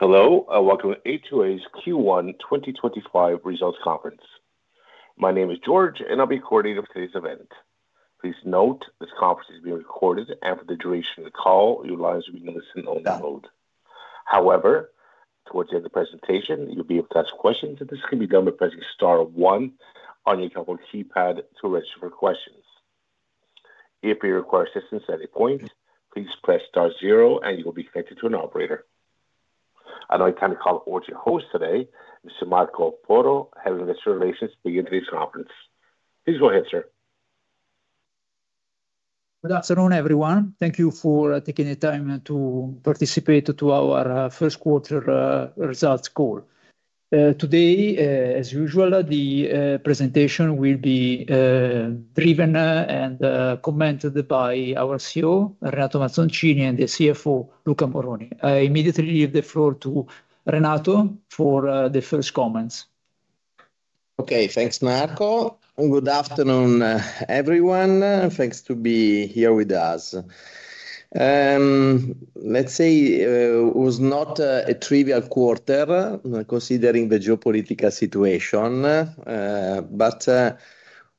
Hello, and welcome to A2A's Q1 2025 Results Conference. My name is George, and I'll be coordinating today's event. Please note this conference is being recorded, and for the duration of the call, your lines will be in a listen-only mode. However, towards the end of the presentation, you'll be able to ask questions, and this can be done by pressing star zero on your telephone keypad to register for questions. If you require assistance at any point, please press star zero, and you will be connected to an operator. I'd like to turn the call over to your host today, Mr. Marco Porro, having the best of his wishes to begin today's conference. Please go ahead, sir. Good afternoon, everyone. Thank you for taking the time to participate in our first-quarter results call. Today, as usual, the presentation will be driven and commented by our CEO, Renato Mazzoncini, and the CFO, Luca Moroni. I immediately give the floor to Renato for the first comments. Okay, thanks, Marco. Good afternoon, everyone. Thanks to be here with us. Let's say it was not a trivial quarter, considering the geopolitical situation, but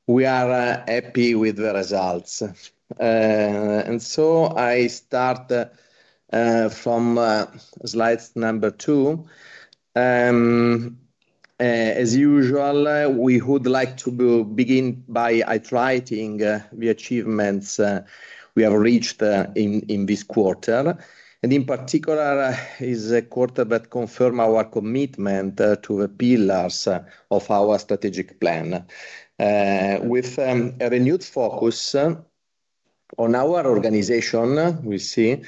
we are happy with the results. I start from slide number two. As usual, we would like to begin by highlighting the achievements we have reached in this quarter. In particular, it is a quarter that confirms our commitment to the pillars of our strategic plan, with a renewed focus on our organization, we see,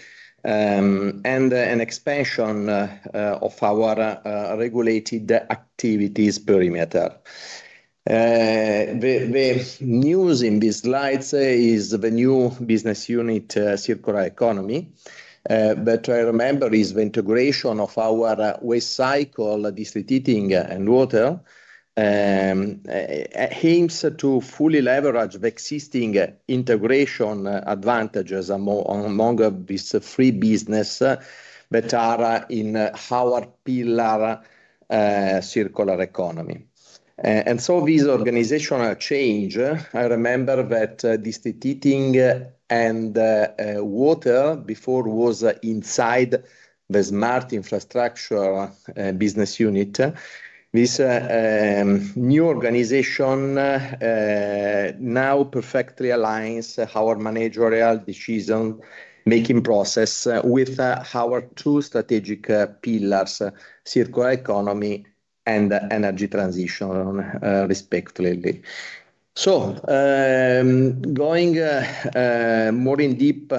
and an expansion of our regulated activities perimeter. The news in these slides is the new business unit, Circular Economy. I remember it is the integration of our waste cycle, distributing and water, aims to fully leverage the existing integration advantages among these three businesses that are in our pillar circular economy. This organizational change, I remember that distributing and water before was inside the smart infrastructure business unit. This new organization now perfectly aligns our managerial decision-making process with our two strategic pillars, circular economy and energy transition, respectively. Going more in deep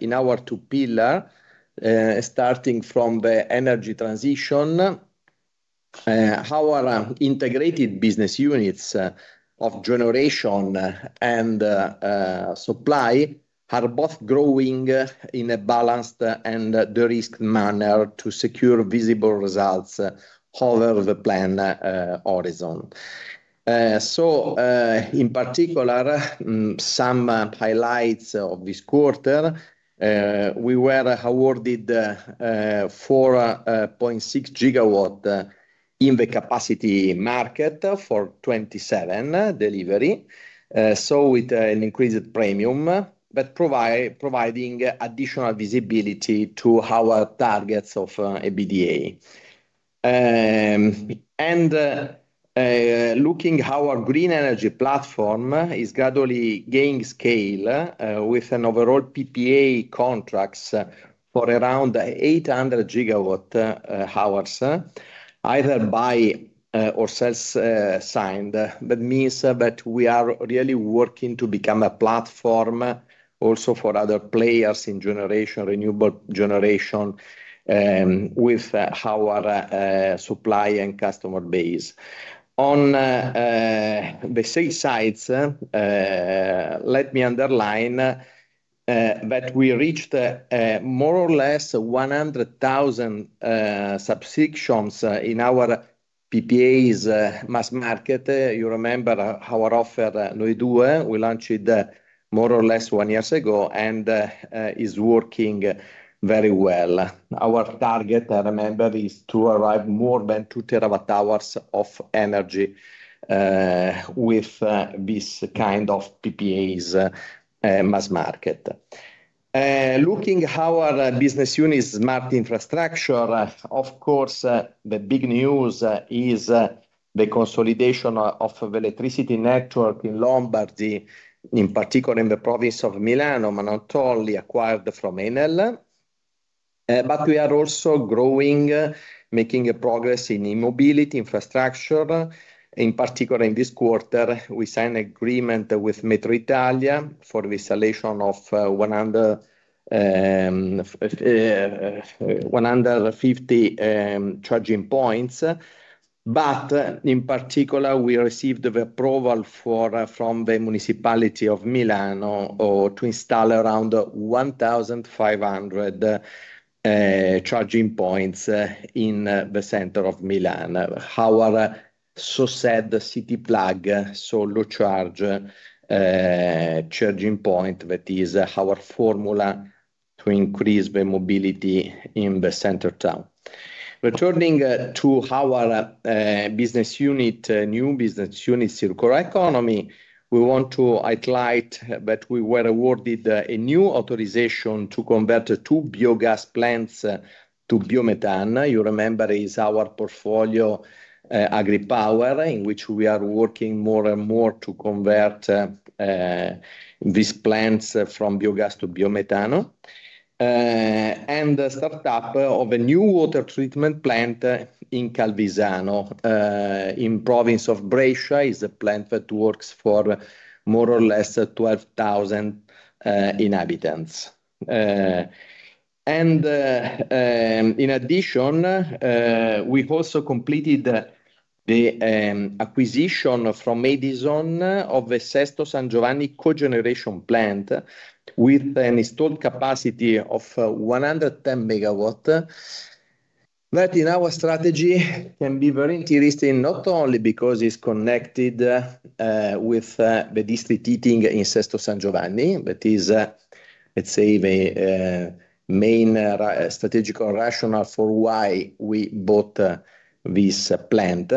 in our two pillars, starting from the energy transition, our integrated business units of generation and supply are both growing in a balanced and direct manner to secure visible results over the planned horizon. In particular, some highlights of this quarter, we were awarded 4.6 GW in the capacity market for 2027 delivery, with an increased premium, but providing additional visibility to our targets of EBITDA. Looking at our green energy platform, it is gradually gaining scale with an overall PPA contracts for around 800 GWhs, either by or self-signed. That means that we are really working to become a platform also for other players in generation, renewable generation, with our supply and customer base. On the three sides, let me underline that we reached more or less 100,000 subscriptions in our PPA's mass market. You remember our offer, Noi2 hai? We launched it more or less one year ago, and it's working very well. Our target, I remember, is to arrive at more than 2 TWhs of energy with this kind of PPA's mass market. Looking at our business unit's smart infrastructure, of course, the big news is the consolidation of the electricity network in Lombardy, in particular in the province of Milan, Monotoli, acquired from Enel. We are also growing, making progress in mobility infrastructure. In particular, in this quarter, we signed an agreement with MetroItalia for the installation of 150 charging points. In particular, we received the approval from the municipality of Milan to install around 1,500 charging points in the center of Milan, our so-called City Plug, solo charge charging point that is our formula to increase the mobility in the center town. Returning to our business unit, new business unit, Circular Economy, we want to highlight that we were awarded a new authorization to convert two biogas plants to biomethane. You remember is our portfolio, AgriPower, in which we are working more and more to convert these plants from biogas to biomethane. The startup of a new water treatment plant in Calvisano, in the province of Brescia, is a plant that works for more or less 12,000 inhabitants. In addition, we also completed the acquisition from EDIZON of the Sesto San Giovanni cogeneration plant with an installed capacity of 110 MW. That in our strategy can be very interesting, not only because it's connected with the distributing in Sesto San Giovanni, that is, let's say, the main strategical rationale for why we bought this plant,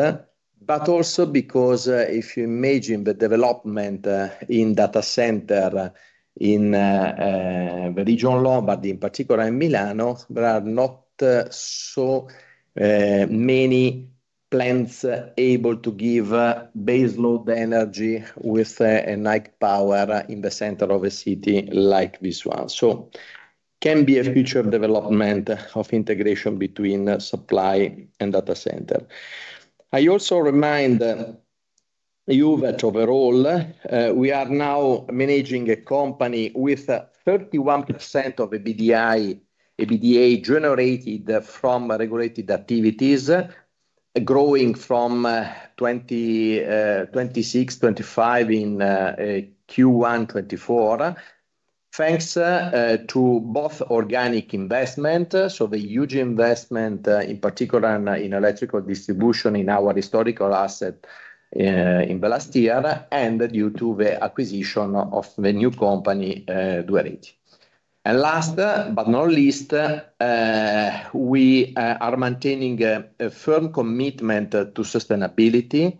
but also because if you imagine the development in data center in the region of Lombardy, in particular in Milan, there are not so many plants able to give base load energy with a night power in the center of a city like this one. It can be a future development of integration between supply and data center. I also remind you that overall, we are now managing a company with 31% of EBITDA generated from regulated activities, growing from 26-25 in Q1 2024, thanks to both organic investment, so the huge investment, in particular in electrical distribution in our historical asset in Balestier, and due to the acquisition of the new company, Dueriti. Last but not least, we are maintaining a firm commitment to sustainability.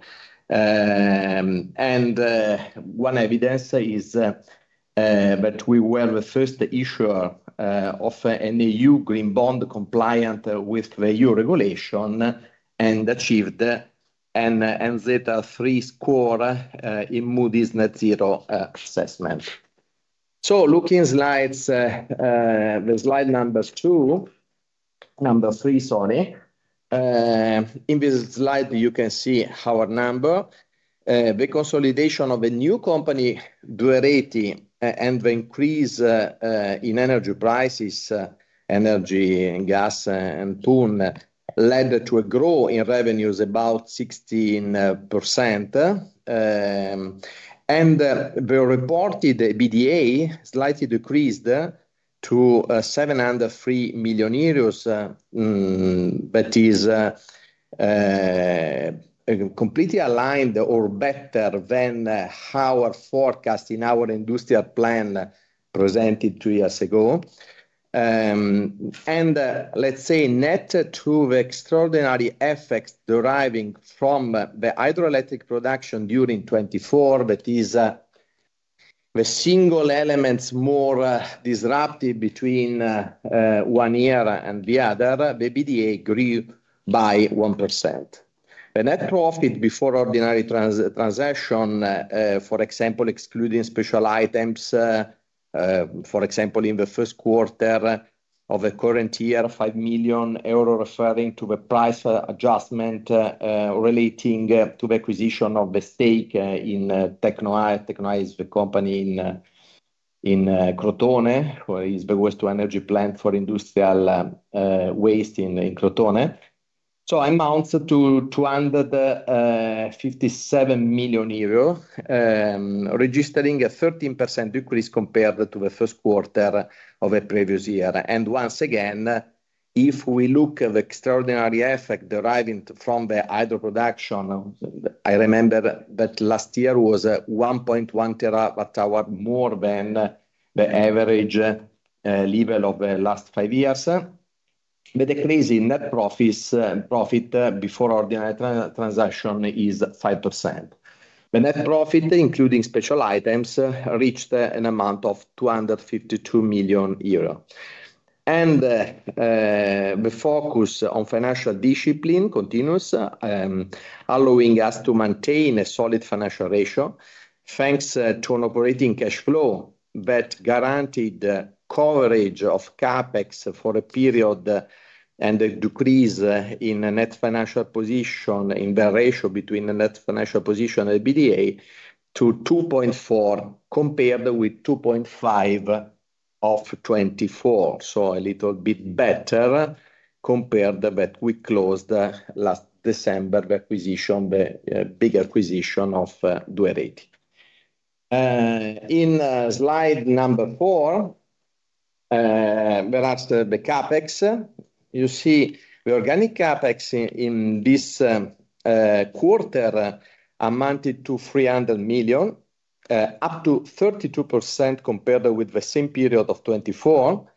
One evidence is that we were the first issuer of an EU Green Bond compliant with the EU regulation and achieved an NZ-3 score in Moody's Net Zero assessment. Looking at the slides, slide number two, number three, sorry. In this slide, you can see our number. The consolidation of a new company, Dueriti, and the increase in energy prices, energy and gas in turn, led to a growth in revenues of about 16%. The reported EBITDA slightly decreased to 703 million euros, that is completely aligned or better than our forecast in our industrial plan presented two years ago. Net to the extraordinary effects deriving from the hydroelectric production during 2024, that is the single element more disruptive between one year and the other, the EBITDA grew by 1%. The net profit before ordinary transaction, for example, excluding special items, for example, in the first quarter of the current year, 5 million euro, referring to the price adjustment relating to the acquisition of the stake in TecnoA, TecnoA is the company in Crotone, where it is the waste-to-energy plant for industrial waste in Crotone. It amounts to 257 million euro, registering a 13% increase compared to the first quarter of the previous year. If we look at the extraordinary effect deriving from the hydro production, I remember that last year was 1.1 TWh, more than the average level of the last five years. The net profit before ordinary transaction is 5%. The net profit, including special items, reached an amount of 252 million euro. The focus on financial discipline continues, allowing us to maintain a solid financial ratio, thanks to an operating cash flow that guaranteed coverage of CapEx for a period and a decrease in net financial position in the ratio between the net financial position and EBITDA to 2.4, compared with 2.5 of 2024, so a little bit better compared to what we closed last December, the acquisition, the big acquisition of Dueriti. In slide number four, we're at the CapEx. You see the organic CapEx in this quarter amounted to 300 million, up to 32% compared with the same period of 2024.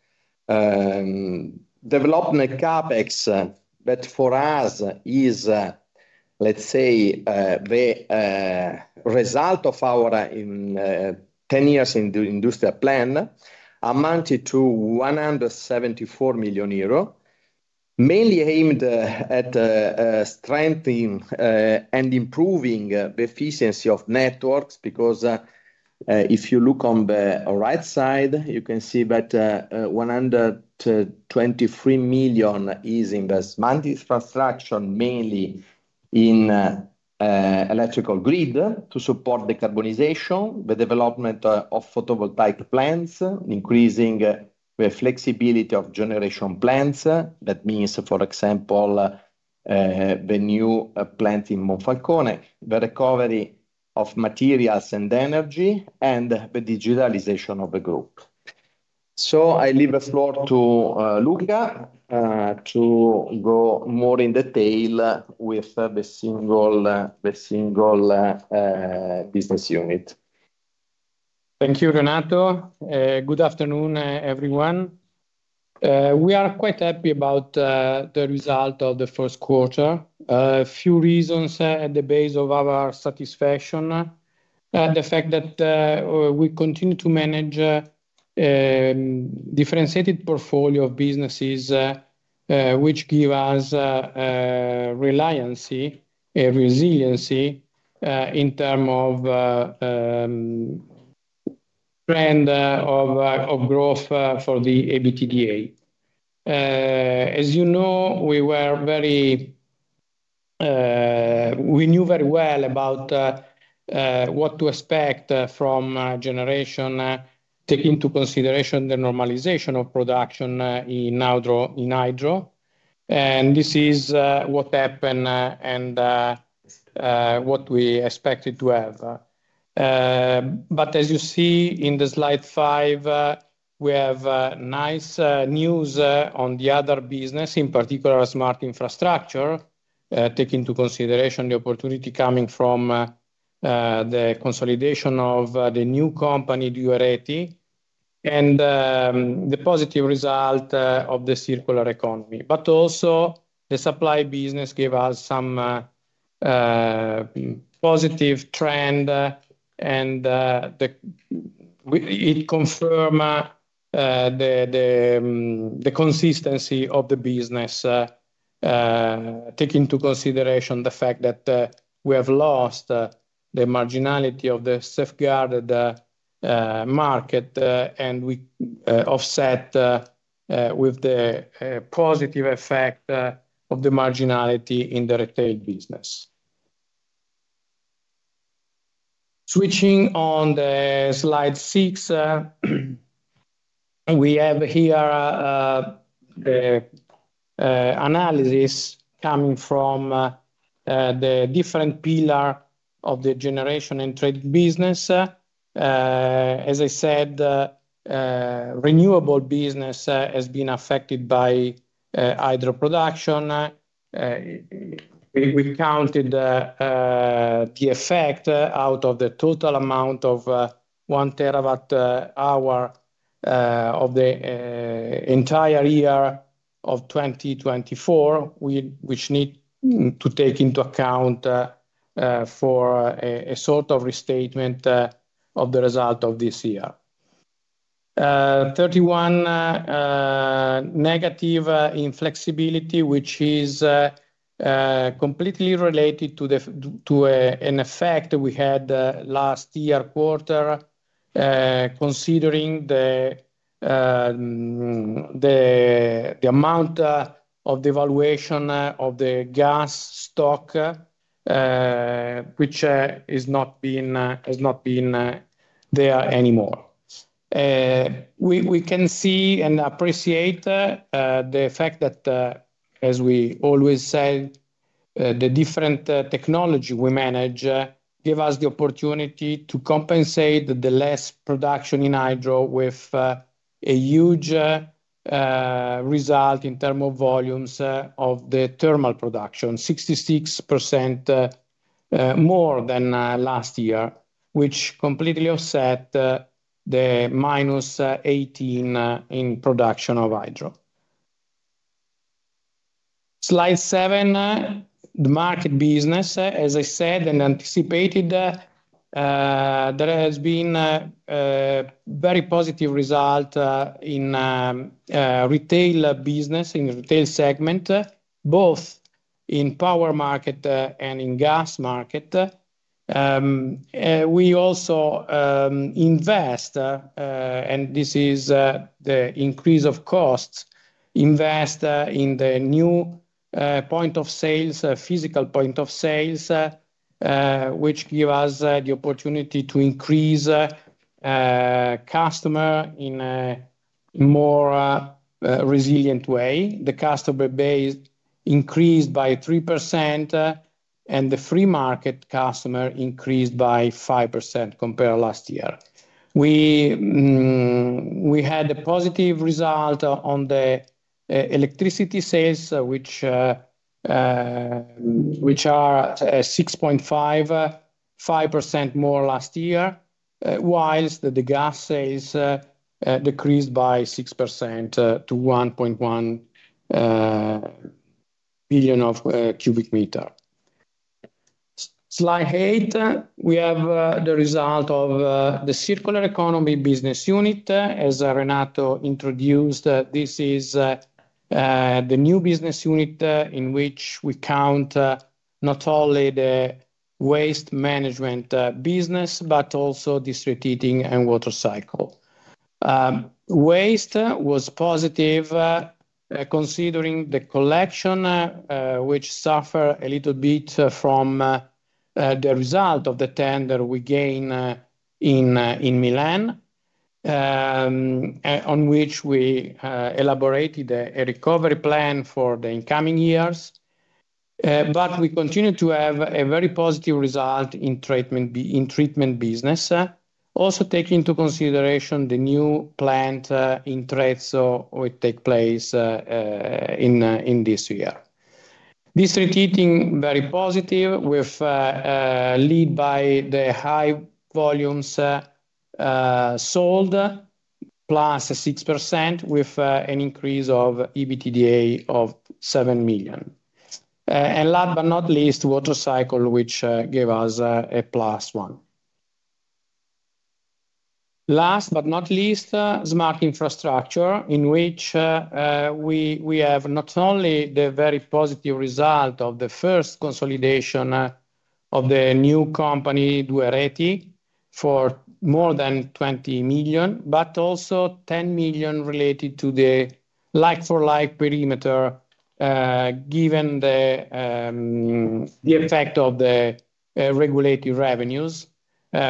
Development CapEx that for us is, let's say, the result of our 10 years in the industrial plan, amounted to 174 million euro, mainly aimed at strengthening and improving the efficiency of networks, because if you look on the right side, you can see that 123 million is in the smart infrastructure, mainly in electrical grid to support the carbonization, the development of photovoltaic plants, increasing the flexibility of generation plants. That means, for example, the new plant in Monfalcone, the recovery of materials and energy, and the digitalization of the group. I leave the floor to Luca to go more in detail with the single business unit. Thank you, Renato. Good afternoon, everyone. We are quite happy about the result of the first quarter. A few reasons at the base of our satisfaction, the fact that we continue to manage a differentiated portfolio of businesses, which give us reliability and resiliency in terms of trend of growth for the EBITDA. As you know, we were very, we knew very well about what to expect from generation, taking into consideration the normalization of production in hydro. This is what happened and what we expected to have. As you see in slide five, we have nice news on the other business, in particular smart infrastructure, taking into consideration the opportunity coming from the consolidation of the new company, Dueriti, and the positive result of the circular economy. Also the supply business gave us some positive trend, and it confirmed the consistency of the business, taking into consideration the fact that we have lost the marginality of the safeguarded market, and we offset with the positive effect of the marginality in the retail business. Switching on slide six, we have here the analysis coming from the different pillars of the generation and trade business. As I said, renewable business has been affected by hydro production. We counted the effect out of the total amount of 1 TWh, of the entire year of 2024, which need to take into account for a sort of restatement of the result of this year. 31- in flexibility, which is completely related to an effect we had last year quarter, considering the amount of devaluation of the gas stock, which has not been there anymore. We can see and appreciate the fact that, as we always say, the different technology we manage gives us the opportunity to compensate the less production in hydro with a huge result in terms of volumes of the thermal production, 66% more than last year, which completely offset the -18% in production of hydro. Slide seven, the market business, as I said and anticipated, there has been a very positive result in retail business, in the retail segment, both in power market and in gas market. We also invest, and this is the increase of costs, invest in the new point of sales, physical point of sales, which gives us the opportunity to increase customer in a more resilient way. The customer base increased by 3%, and the free market customer increased by 5% compared to last year. We had a positive result on the electricity sales, which are 6.5% more last year, whilst the gas sales decreased by 6% to 1.1 billion m³. Slide eight, we have the result of the circular economy business unit, as Renato introduced. This is the new business unit in which we count not only the waste management business, but also distributing and water cycle. Waste was positive, considering the collection, which suffered a little bit from the result of the tender we gained in Milan, on which we elaborated a recovery plan for the incoming years. We continue to have a very positive result in treatment business, also taking into consideration the new plant in Trezzo will take place in this year. Distributing very positive with lead by the high volumes sold, +6% with an increase of EBITDA of 7 million. Last but not least, water cycle, which gave us a +1. Last but not least, smart infrastructure, in which we have not only the very positive result of the first consolidation of the new company, Dueriti, for more than 20 million, but also 10 million related to the like-for-like perimeter, given the effect of the regulated revenues,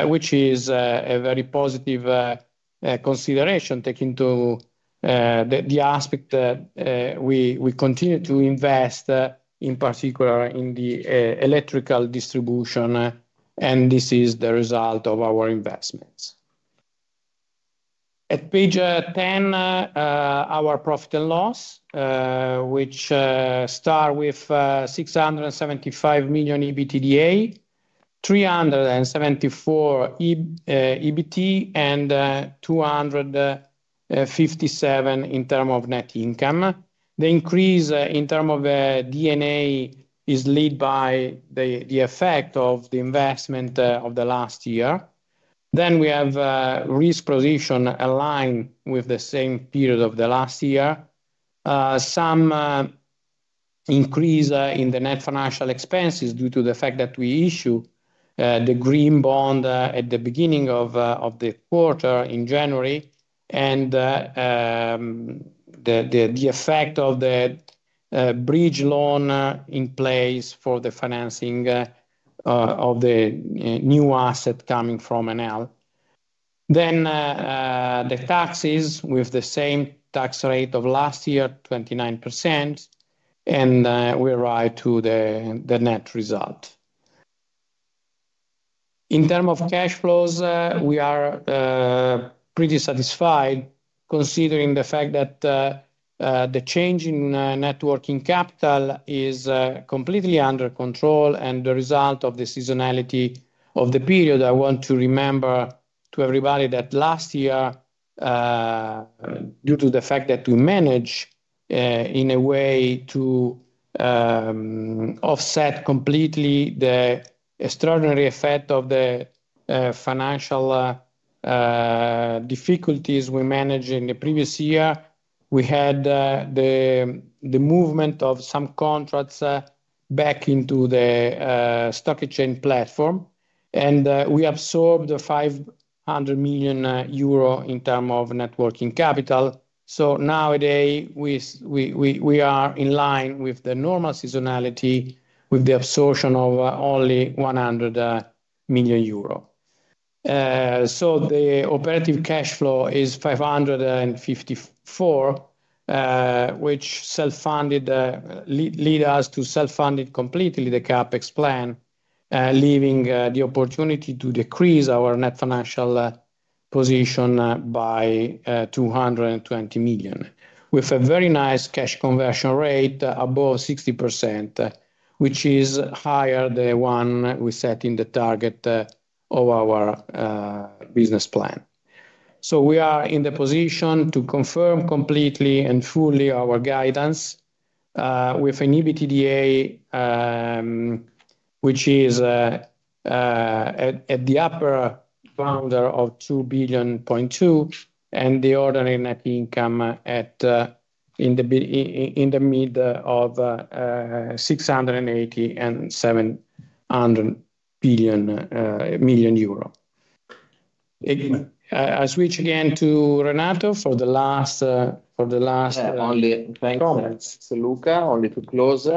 which is a very positive consideration taking to the aspect that we continue to invest, in particular in the electrical distribution, and this is the result of our investments. At page 10, our profit and loss, which start with 675 million EBITDA, 374 million EBT, and 257 million in terms of net income. The increase in terms of the DNA is led by the effect of the investment of the last year. We have risk position aligned with the same period of the last year. Some increase in the net financial expenses due to the fact that we issue the green bond at the beginning of the quarter in January, and the effect of the bridge loan in place for the financing of the new asset coming from Enel. The taxes with the same tax rate of last year, 29%, and we arrive to the net result. In terms of cash flows, we are pretty satisfied, considering the fact that the change in networking capital is completely under control, and the result of the seasonality of the period. I want to remember to everybody that last year, due to the fact that we managed in a way to offset completely the extraordinary effect of the financial difficulties we managed in the previous year, we had the movement of some contracts back into the stock exchange platform, and we absorbed 500 million euro in terms of networking capital. Nowadays, we are in line with the normal seasonality with the absorption of only 100 million euro. The operative cash flow is 554 million, which self-funded led us to self-fund completely the CapEx plan, leaving the opportunity to decrease our net financial position by 220 million, with a very nice cash conversion rate above 60%, which is higher than the one we set in the target of our business plan. We are in the position to confirm completely and fully our guidance with an EBITDA, which is at the upper boundary of 2.2 billion, and the ordinary net income in the mid of 680 million and 700 million euro. I switch again to Renato for the last comments. Thanks, Luca. Only to close,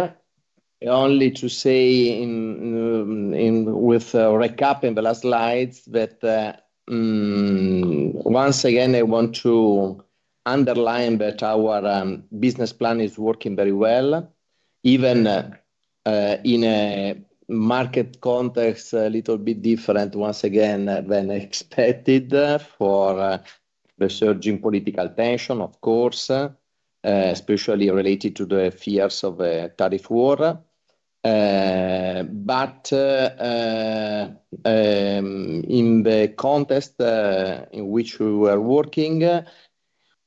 only to say with recap in the last slides that once again, I want to underline that our business plan is working very well, even in a market context a little bit different once again than expected for the surging political tension, of course, especially related to the fears of a tariff war. In the context in which we were working,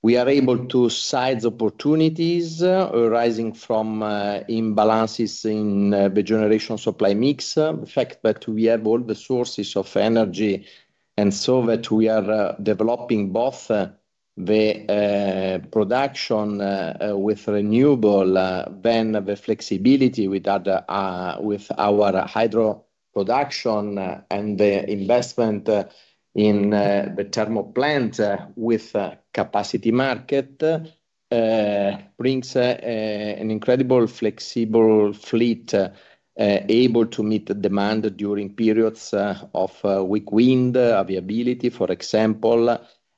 we are able to size opportunities arising from imbalances in the generation supply mix, the fact that we have all the sources of energy, and so that we are developing both the production with renewable than the flexibility with our hydro production and the investment in the thermal plant with capacity market brings an incredible flexible fleet able to meet the demand during periods of weak wind availability, for example,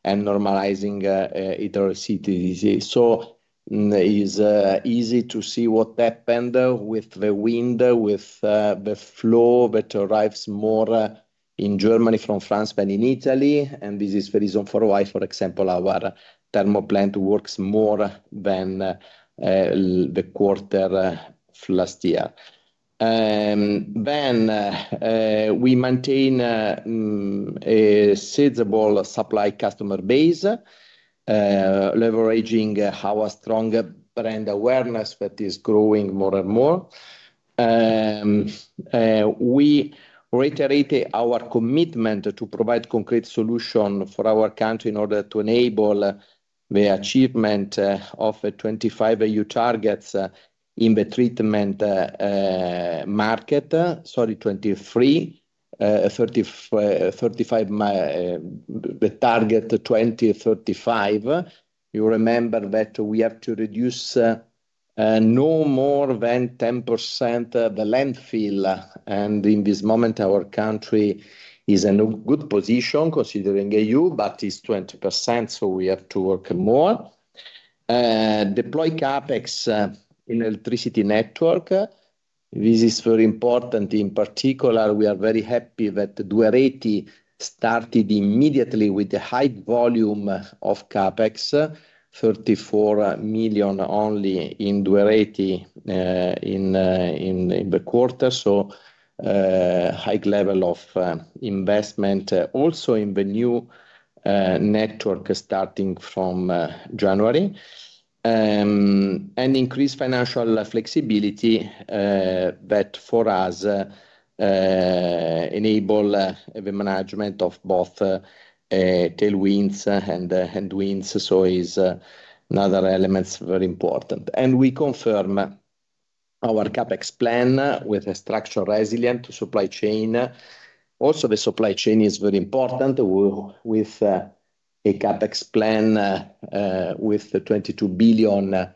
and normalizing it or CTDC. It is easy to see what happened with the wind, with the flow that arrives more in Germany from France than in Italy, and this is the reason for why, for example, our thermal plant works more than the quarter last year. We maintain a sizable supply customer base, leveraging our strong brand awareness that is growing more and more. We reiterated our commitment to provide concrete solutions for our country in order to enable the achievement of 25 AU targets in the treatment market, sorry, 25, the target 2035. You remember that we have to reduce no more than 10% of the landfill, and in this moment, our country is in a good position considering AU, but it's 20%, so we have to work more. Deploy CapEx in electricity network. This is very important. In particular, we are very happy that Dueriti started immediately with the high volume of CapEx, 54 million only in Dueriti in the quarter, so high level of investment also in the new network starting from January, and increased financial flexibility that for us enables the management of both tailwinds and winds. It is another element very important. We confirm our CapEx plan with a structure resilient supply chain. Also, the supply chain is very important with a CapEx plan with 22 billion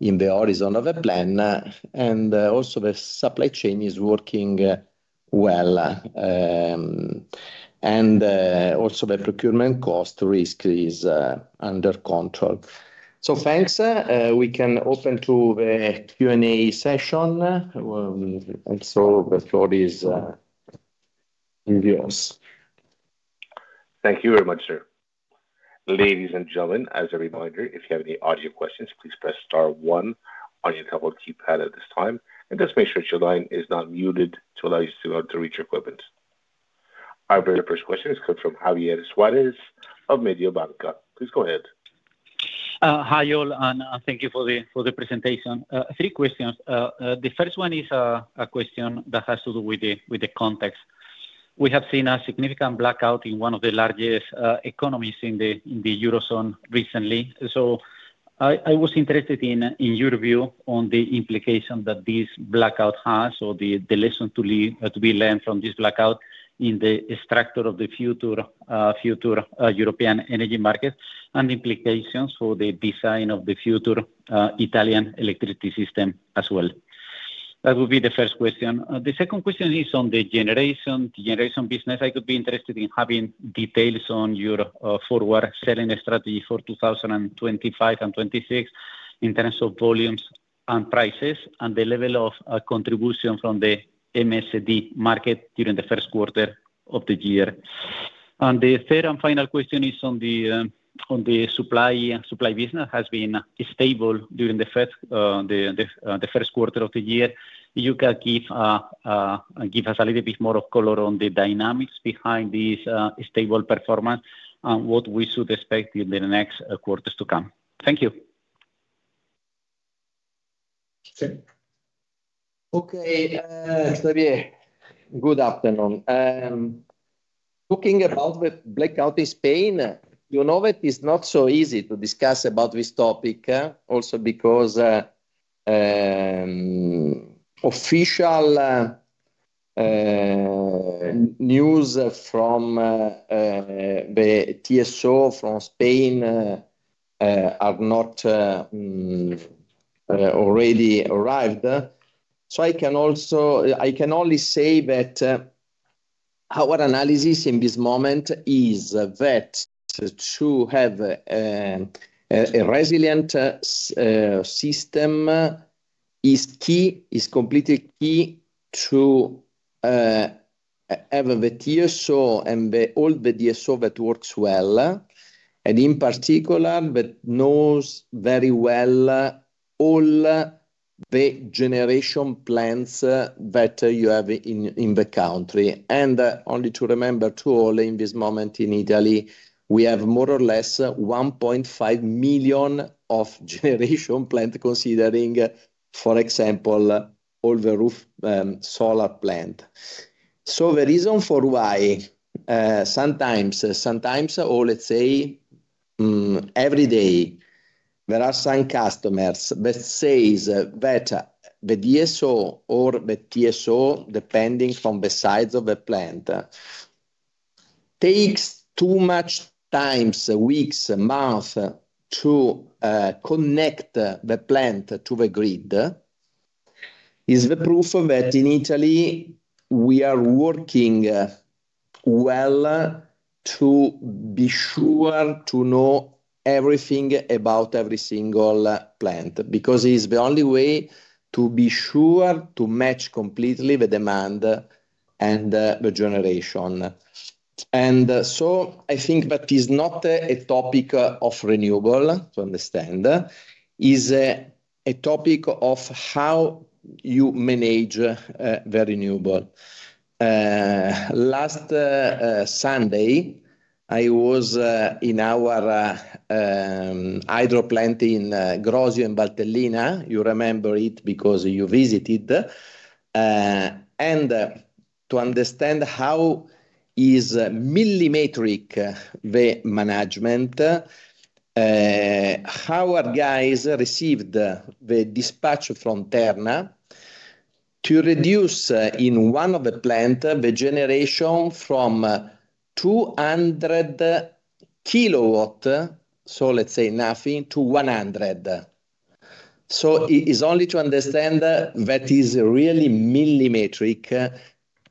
in the horizon of the plan, and also the supply chain is working well, and also the procurement cost risk is under control. Thanks. We can open to the Q&A session. The floor is yours. Thank you very much, sir. Ladies and gentlemen, as a reminder, if you have any audio questions, please press star one on your double keypad at this time, and just make sure your line is not muted to allow you to reach your equipment. Our very first question is coming from Javier Suárez of Mediobanca. Please go ahead. Hi all, and thank you for the presentation. Three questions. The first one is a question that has to do with the context. We have seen a significant blackout in one of the largest economies in the Eurozone recently. I was interested in your view on the implication that this blackout has, or the lesson to be learned from this blackout in the structure of the future European energy market, and implications for the design of the future Italian electricity system as well. That would be the first question. The second question is on the generation business. I could be interested in having details on your forward selling strategy for 2025 and 2026 in terms of volumes and prices, and the level of contribution from the MSD market during the first quarter of the year. The third and final question is on the supply business. It has been stable during the first quarter of the year. You can give us a little bit more color on the dynamics behind this stable performance and what we should expect in the next quarters to come. Thank you. Okay Javier, good afternoon. Talking about the blackout in Spain, you know it is not so easy to discuss about this topic, also because official news from the TSO from Spain have not already arrived. I can only say that our analysis in this moment is that to have a resilient system is key, is completely key to have the TSO and all the TSO that works well, and in particular, that knows very well all the generation plants that you have in the country. Only to remember to all in this moment in Italy, we have more or less 1.5 million of generation plants, considering, for example, all the roof solar plants. The reason for why sometimes, or let's say every day, there are some customers that say that the TSO or the TSO, depending from the size of the plant, takes too much time, weeks, months to connect the plant to the grid, is the proof of that in Italy, we are working well to be sure to know everything about every single plant, because it's the only way to be sure to match completely the demand and the generation. I think that is not a topic of renewable, to understand, it is a topic of how you manage the renewable. Last Sunday, I was in our hydro plant in Grosio and Valtellina. You remember it because you visited. To understand how millimetric the management is, how our guys received the dispatch from Terna to reduce in one of the plants the generation from 200 kW, so let's say nothing, to 100. It is only to understand that it is really millimetric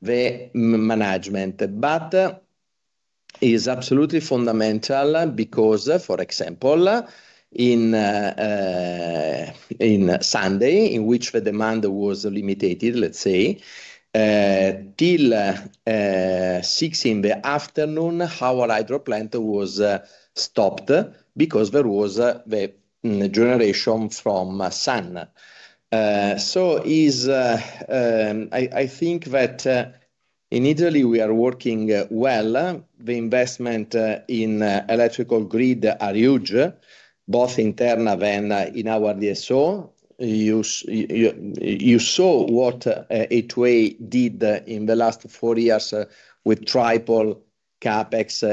the management, but it is absolutely fundamental because, for example, on Sunday, in which the demand was limited, let's say, till 6:00 P.M., our hydro plant was stopped because there was the generation from sun. I think that in Italy, we are working well. The investment in electrical grid is huge, both in Terna and in our TSO. You saw what A2A did in the last four years with triple CapEx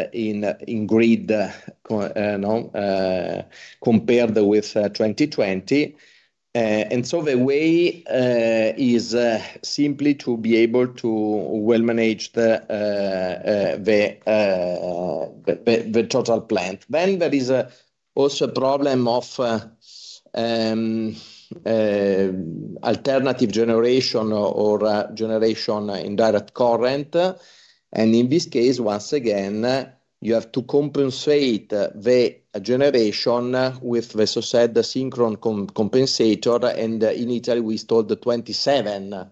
in grid compared with 2020. The way is simply to be able to well manage the total plant. There is also a problem of alternative generation or generation in direct current. In this case, once again, you have to compensate the generation with the so-called synchronous compensator. In Italy, we installed 27.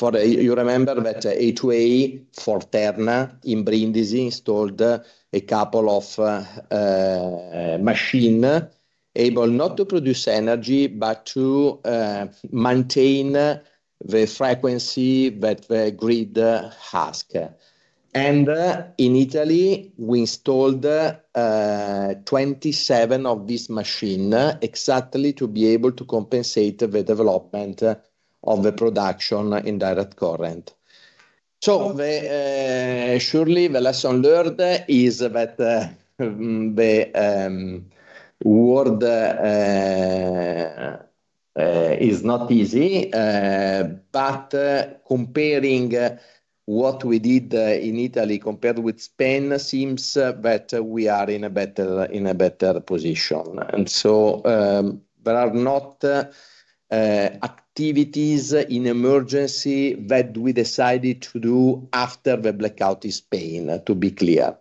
You remember that A2A for Terna in Brindisi installed a couple of machines able not to produce energy, but to maintain the frequency that the grid has. In Italy, we installed 27 of these machines exactly to be able to compensate the development of the production in direct current. Surely the lesson learned is that the world is not easy, but comparing what we did in Italy compared with Spain seems that we are in a better position. There are not activities in emergency that we decided to do after the blackout in Spain, to be clear.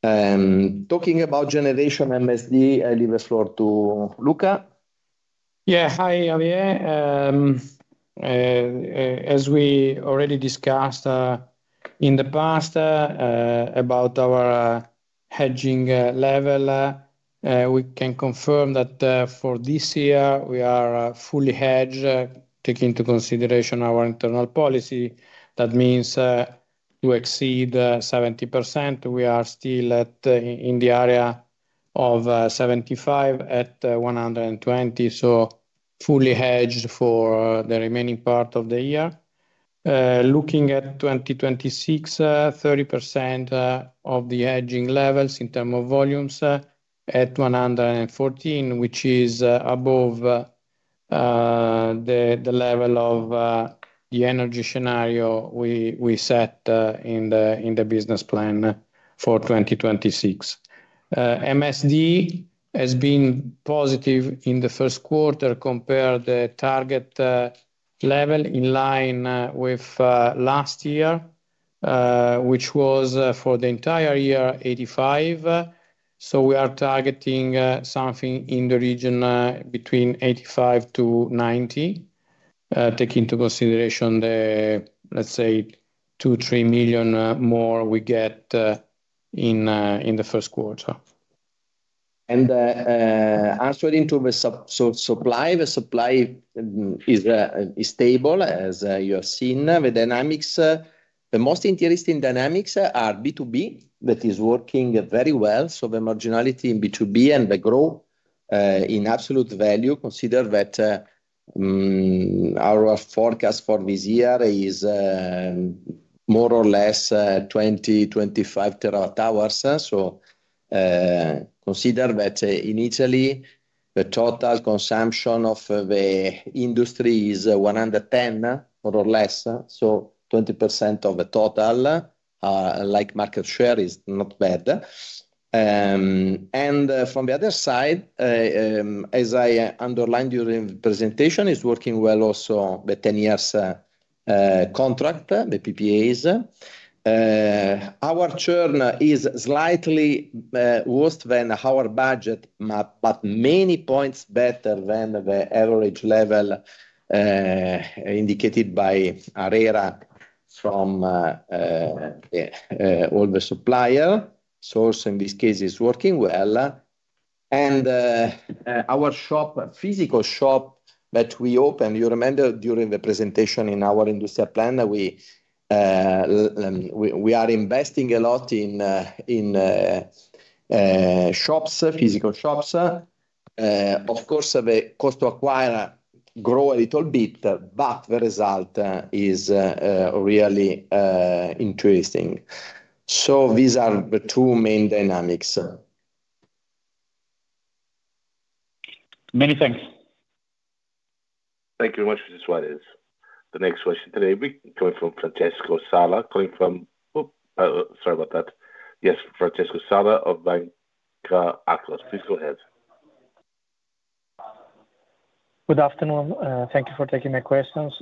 Talking about generation MSD, I leave the floor to Luca. Yeah. Hi, Javier. As we already discussed in the past about our hedging level, we can confirm that for this year, we are fully hedged, taking into consideration our internal policy. That means to exceed 70%, we are still in the area of 75-120, so fully hedged for the remaining part of the year. Looking at 2026, 30% of the hedging levels in terms of volumes at 114, which is above the level of the energy scenario we set in the business plan for 2026. MSD has been positive in the first quarter compared to the target level in line with last year, which was for the entire year 85. We are targeting something in the region between 85-90, taking into consideration the, let's say, 2 million-3 million more we get in the first quarter. Answering to the supply, the supply is stable, as you have seen. The dynamics, the most interesting dynamics are B2B that is working very well. The marginality in B2B and the growth in absolute value, consider that our forecast for this year is more or less 20 TWhs-25 TWhs. Consider that in Italy, the total consumption of the industry is 110, more or less. 20% of the total market share is not bad. From the other side, as I underlined during the presentation, it is working well also the 10-year contract, the PPAs. Our churn is slightly worse than our budget, but many points better than the average level indicated by ARERA from all the suppliers. In this case, it is working well. Our shop, physical shop that we opened, you remember during the presentation in our industry plan, we are investing a lot in shops, physical shops. Of course, the cost to acquire grow a little bit, but the result is really interesting. These are the two main dynamics. Many thanks. Thank you very much, Mr. Suárez. The next question today coming from Francesco Sala. Sorry about that. Yes, Francesco Sala of Banco Anglo. Please go ahead. Good afternoon. Thank you for taking my questions.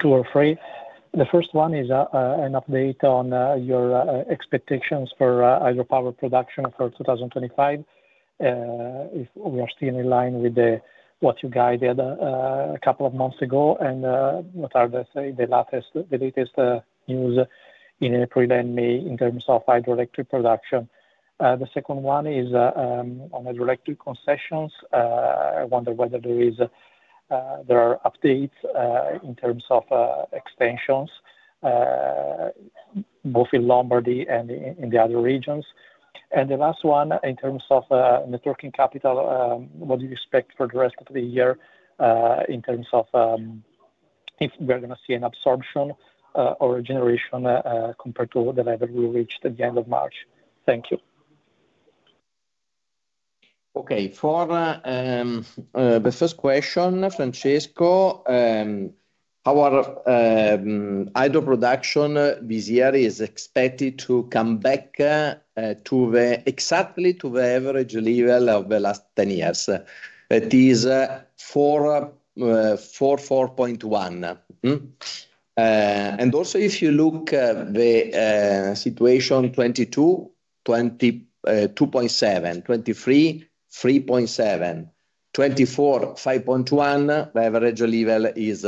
Two or three. The first one is an update on your expectations for hydropower production for 2025. We are still in line with what you guided a couple of months ago, and what are the latest, the latest news in April and May in terms of hydroelectric production? The second one is on hydroelectric concessions. I wonder whether there are updates in terms of extensions, both in Lombardy and in the other regions. The last one in terms of networking capital, what do you expect for the rest of the year in terms of if we are going to see an absorption or a generation compared to the level we reached at the end of March? Thank you. Okay. For the first question, Francesco, our hydro production this year is expected to come back exactly to the average level of the last 10 years. That is 4.1. Also, if you look at the situation, 2022, 22.7, 2023, 3.7, 2024, 5.1, the average level is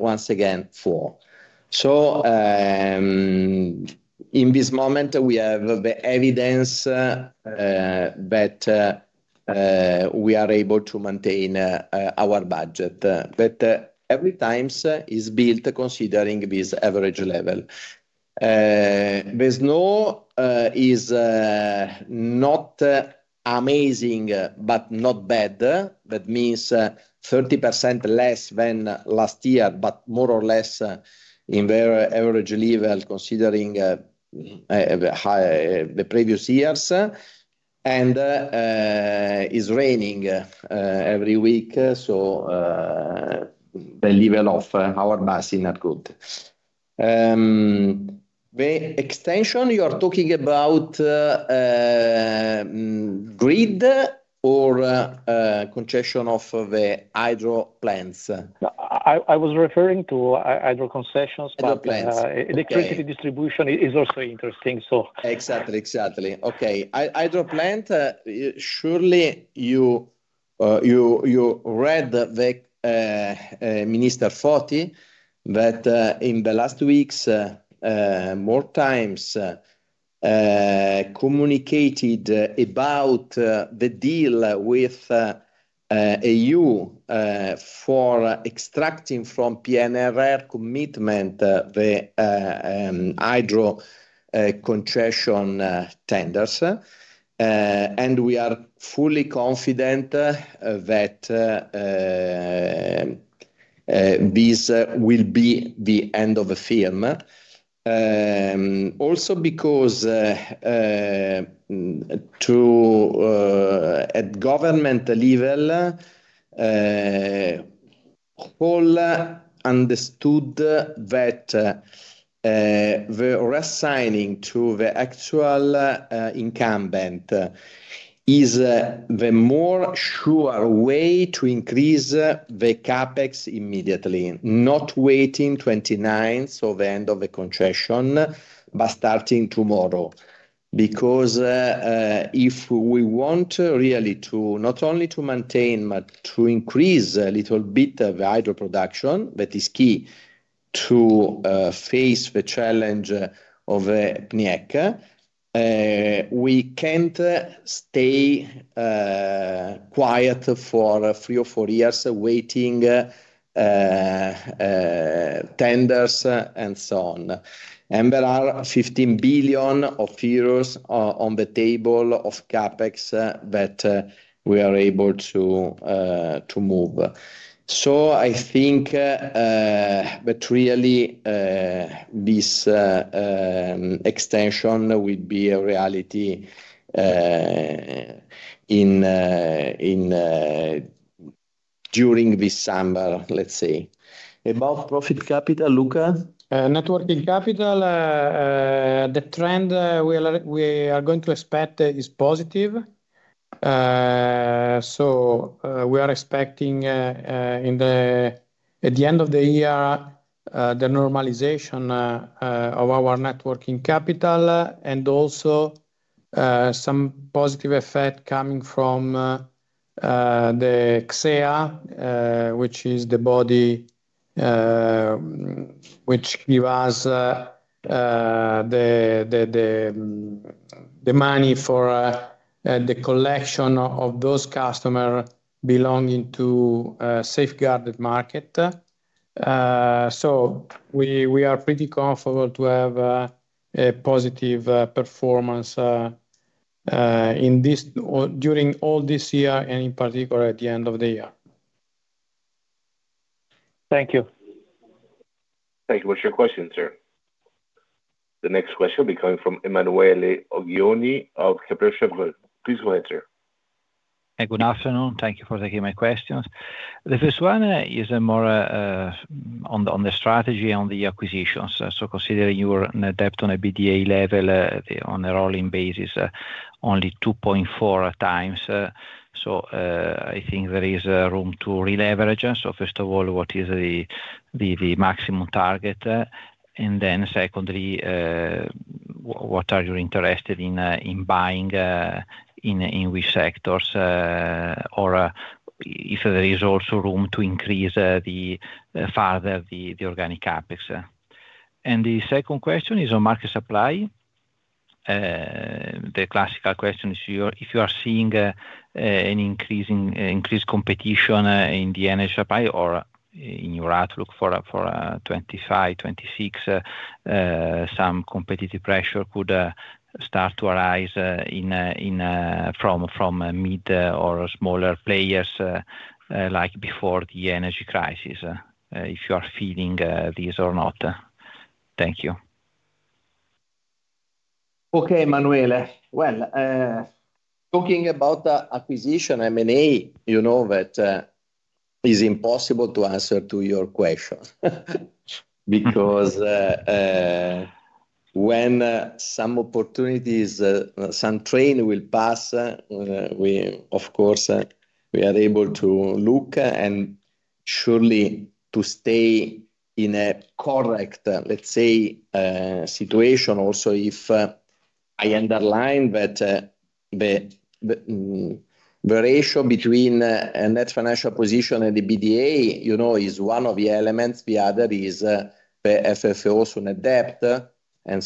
once again 4. In this moment, we have the evidence that we are able to maintain our budget. Every time it is built considering this average level. It is not amazing, but not bad. That means 30% less than last year, but more or less in their average level considering the previous years. It is raining every week, so the level of our basins is not good. The extension, you are talking about grid or concession of the hydro plants? I was referring to hydro concessions, but electricity distribution is also interesting. Exactly, exactly. Okay. Hydro plant, surely you read Minister Fitto that in the last weeks, more times communicated about the deal with EU for extracting from PNRR commitment, the hydro concession tenders. We are fully confident that this will be the end of the film. Also because at a government level, all understood that the reassigning to the actual incumbent is the more sure way to increase the CapEx immediately, not waiting 2029 for the end of the concession, but starting tomorrow. Because if we want really to not only to maintain, but to increase a little bit of the hydro production, that is key to face the challenge of the PNIEC, we cannot stay quiet for three or four years waiting tenders and so on. There are 15 billion on the table of CapEx that we are able to move. I think that really this extension will be a reality during this summer, let's say. About profit capital, Luca? Networking capital, the trend we are going to expect is positive. We are expecting at the end of the year the normalization of our networking capital and also some positive effect coming from the XEA, which is the body which gives us the money for the collection of those customers belonging to safeguarded market. We are pretty comfortable to have a positive performance during all this year and in particular at the end of the year. Thank you. Thank you. What's your question, sir? The next question will be coming from Emanuele Oggioni of Capriccio. Please go ahead, sir. Good afternoon. Thank you for taking my questions. The first one is more on the strategy and the acquisitions. Considering you are on a EBITDA level on a rolling basis, only 2.4x. I think there is room to re-leverage. First of all, what is the maximum target? Then secondly, what are you interested in buying, in which sectors? Or if there is also room to increase further the organic CapEx? The second question is on market supply. The classical question is if you are seeing an increased competition in the energy supply or in your outlook for 2025, 2026, some competitive pressure could start to arise from mid or smaller players like before the energy crisis. If you are feeling this or not. Thank you. Okay, Emanuele. Talking about acquisition M&A, you know that it is impossible to answer to your question. Because when some opportunities, some train will pass, of course, we are able to look and surely to stay in a correct, let's say, situation. Also if I underline that the ratio between a net financial position and the EBITDA is one of the elements, the other is the FFO is an adept.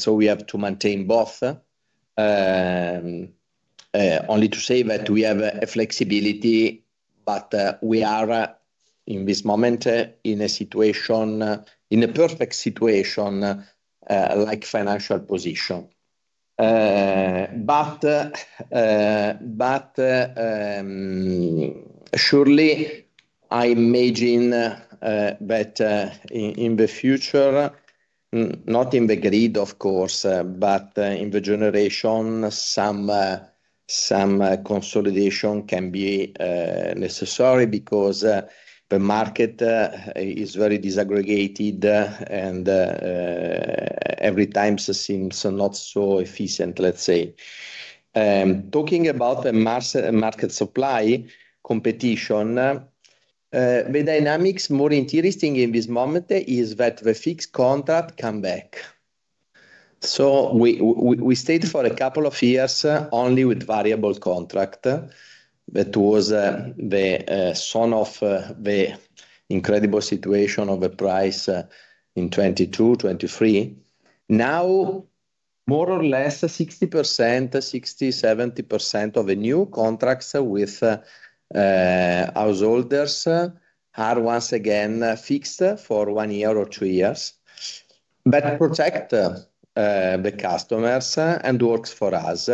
We have to maintain both. Only to say that we have a flexibility, but we are in this moment in a situation, in a perfect situation like financial position. Surely I imagine that in the future, not in the grid, of course, but in the generation, some consolidation can be necessary because the market is very disaggregated and every time seems not so efficient, let's say. Talking about the market supply competition, the dynamics more interesting in this moment is that the fixed contract comes back. We stayed for a couple of years only with variable contract. That was the son of the incredible situation of the price in 2022, 2023. Now, more or less 60%-70% of the new contracts with householders are once again fixed for one year or two years. That protects the customers and works for us.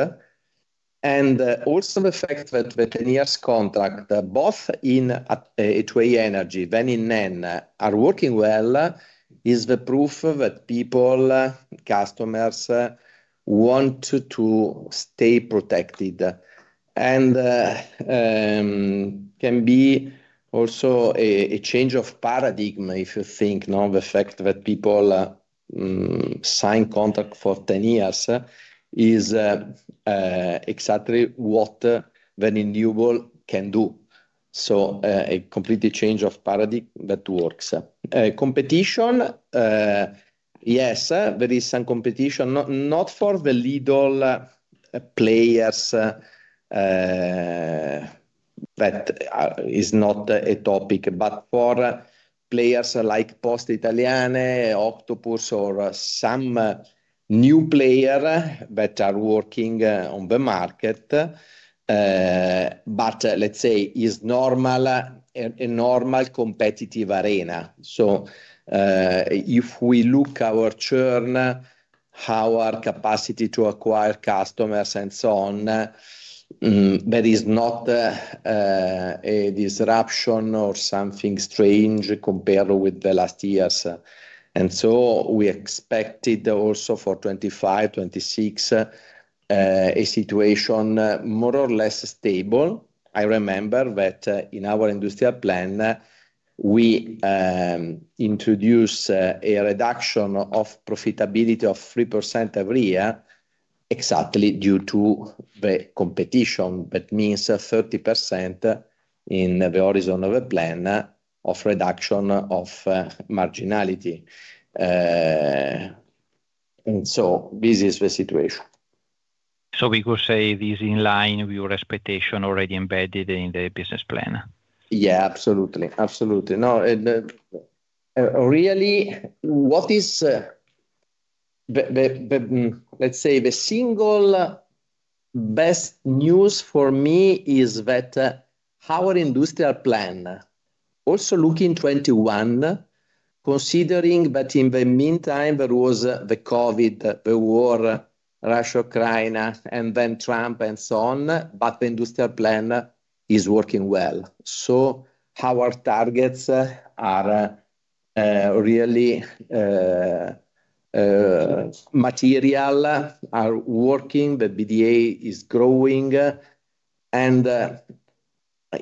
Also the fact that the 10-year contract, both in HVAC energy, then in NEN, are working well is the proof that people, customers, want to stay protected. It can be also a change of paradigm if you think the fact that people sign contract for 10 years is exactly what the renewable can do. A complete change of paradigm that works. Competition, yes, there is some competition, not for the little players, that is not a topic, but for players like Poste Italiane, Octopus, or some new player that are working on the market. Let's say it's normal, a normal competitive arena. If we look at our churn, how our capacity to acquire customers and so on, there is not a disruption or something strange compared with the last years. We expect also for 2025, 2026, a situation more or less stable. I remember that in our industry plan, we introduced a reduction of profitability of 3% every year exactly due to the competition. That means 30% in the horizon of a plan of reduction of marginality. This is the situation. We could say this is in line, your expectation already embedded in the business plan. Yeah, absolutely. Absolutely. Really, what is, let's say, the single best news for me is that our industrial plan also looking 2021, considering that in the meantime, there was the COVID, the war, Russia, Ukraine, and then Trump and so on, but the industrial plan is working well. Our targets are really material, are working, the EBITDA is growing.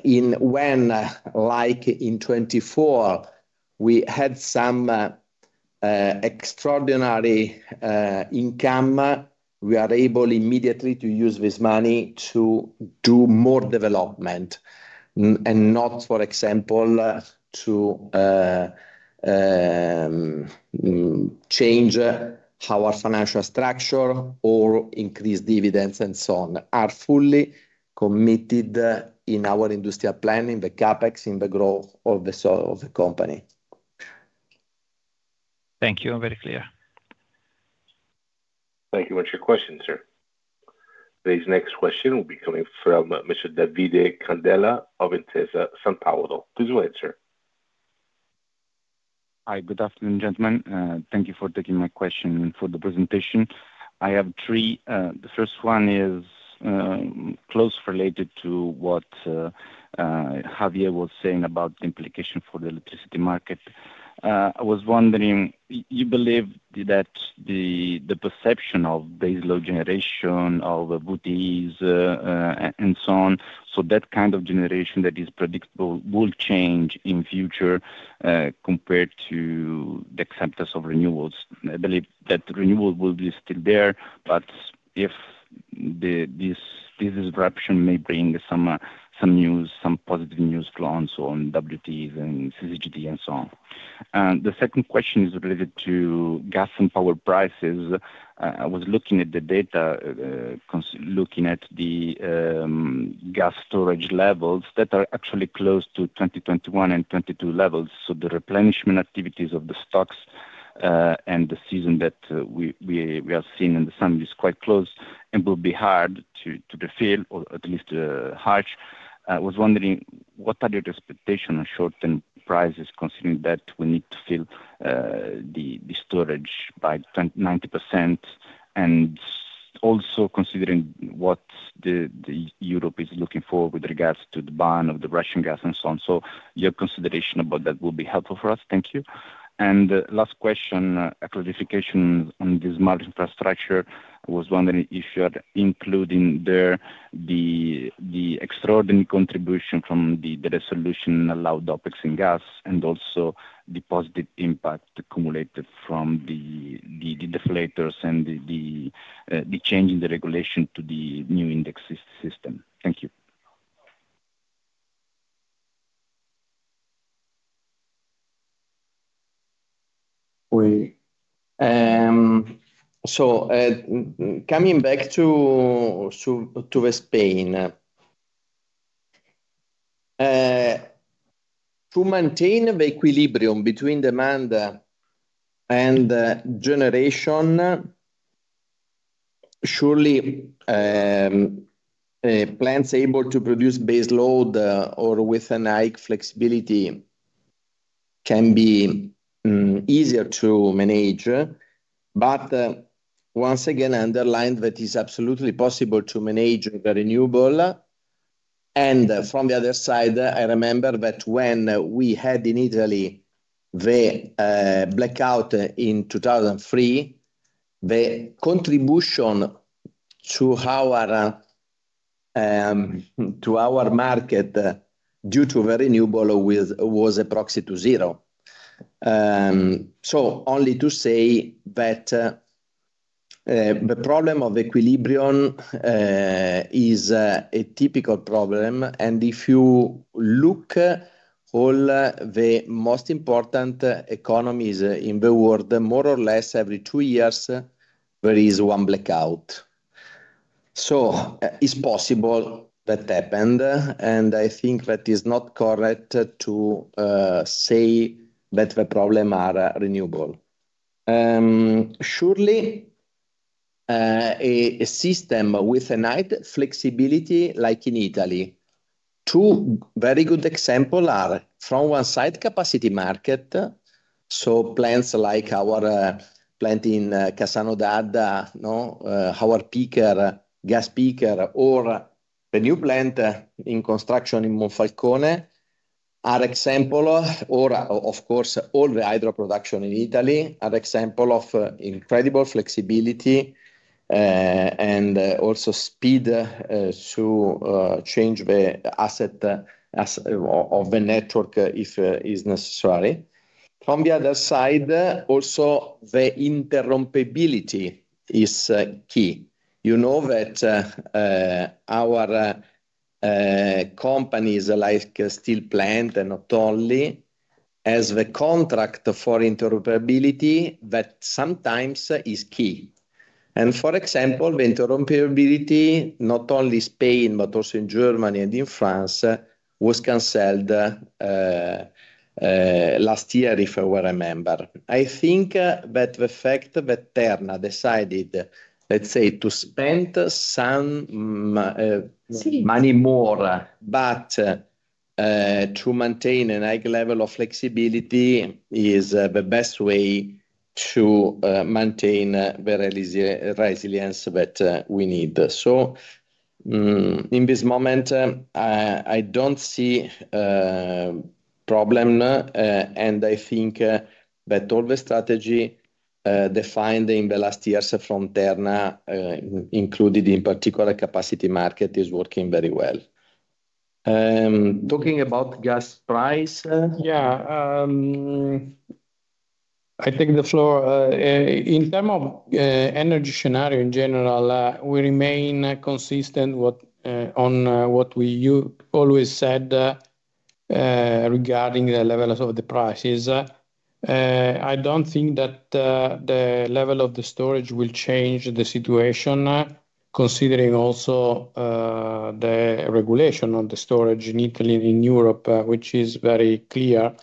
When like in 2024, we had some extraordinary income, we are able immediately to use this money to do more development and not, for example, to change our financial structure or increase dividends and so on. We are fully committed in our industrial planning, the CapEx in the growth of the company. Thank you. Very clear. Thank you. What's your question, sir? Today's next question will be coming from Mr. Davide Candela of Intesa Sanpaolo. Please go ahead, sir. Hi. Good afternoon, gentlemen. Thank you for taking my question for the presentation. I have three. The first one is close related to what Javier was saying about the implication for the electricity market. I was wondering, you believe that the perception of baseload generation of goodies and so on, so that kind of generation that is predictable will change in future compared to the acceptance of renewables. I believe that renewables will be still there, but if this disruption may bring some news, some positive news flow on WTs and CCGD and so on. The second question is related to gas and power prices. I was looking at the data, looking at the gas storage levels that are actually close to 2021 and 2022 levels. The replenishment activities of the stocks and the season that we are seeing in the summer is quite close and will be hard to fill, or at least to harch. I was wondering, what are your expectations on short-term prices considering that we need to fill the storage by 90% and also considering what Europe is looking for with regards to the ban of the Russian gas and so on? Your consideration about that will be helpful for us. Thank you. Last question, a clarification on this market infrastructure. I was wondering if you're including there the extraordinary contribution from the resolution allowed OpEx and gas and also the positive impact accumulated from the deflators and the change in the regulation to the new index system. Thank you. Coming back to Spain, to maintain the equilibrium between demand and generation, surely plants able to produce baseload or with an AIC flexibility can be easier to manage. Once again, I underlined that it is absolutely possible to manage the renewable. From the other side, I remember that when we had in Italy the blackout in 2003, the contribution to our market due to the renewable was approximately to zero. Only to say that the problem of equilibrium is a typical problem. If you look at all the most important economies in the world, more or less every two years, there is one blackout. It is possible that happened. I think that is not correct to say that the problem is renewable. Surely, a system with a night flexibility like in Italy. Two very good examples are from one side, capacity market. Plants like our plant in Cassano d'Adda, our gas peaker, or the new plant in construction in Monfalcone are examples, or of course, all the hydro production in Italy are examples of incredible flexibility and also speed to change the asset of the network if it is necessary. From the other side, also the interoperability is key. You know that our companies like Steel Plant and not only have the contract for interoperability that sometimes is key. For example, the interoperability not only in Spain, but also in Germany and in France was canceled last year, if I remember. I think that the fact that Terna decided, let's say, to spend some money more, but to maintain a high level of flexibility is the best way to maintain the resilience that we need. In this moment, I do not see a problem. I think that all the strategy defined in the last years from Terna included, in particular, capacity market is working very well. Talking about gas price. Yeah. I take the floor. In terms of energy scenario in general, we remain consistent on what we always said regarding the levels of the prices. I do not think that the level of the storage will change the situation, considering also the regulation on the storage in Italy and in Europe, which is very clear.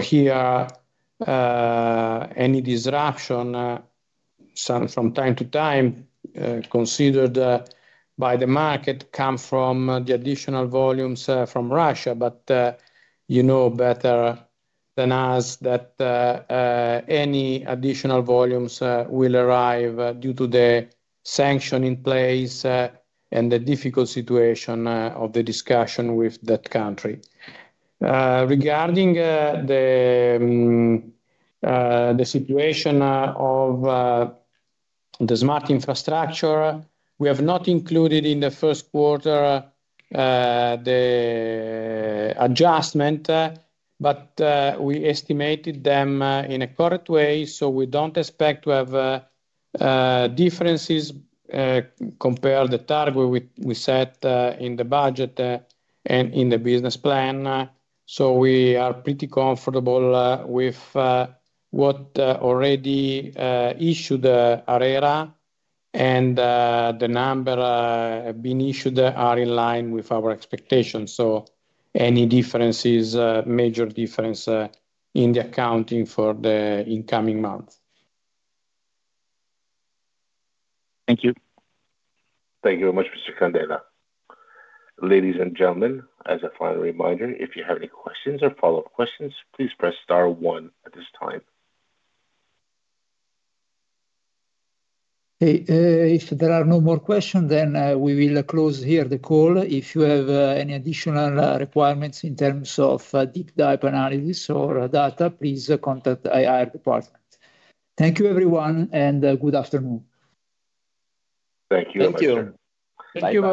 Here, any disruption from time to time considered by the market comes from the additional volumes from Russia. You know better than us that any additional volumes will arrive due to the sanction in place and the difficult situation of the discussion with that country. Regarding the situation of the smart infrastructure, we have not included in the first quarter the adjustment, but we estimated them in a correct way. We do not expect to have differences compared to the target we set in the budget and in the business plan. We are pretty comfortable with what already issued ARERA. The number being issued is in line with our expectations. Any difference is a major difference in the accounting for the incoming month. Thank you. Thank you very much, Mr. Candela. Ladies and gentlemen, as a final reminder, if you have any questions or follow-up questions, please press star one at this time. If there are no more questions, we will close here the call. If you have any additional requirements in terms of deep dive analysis or data, please contact IR department. Thank you, everyone, and good afternoon. Thank you. fThank you.